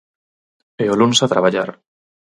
E o luns a traballar.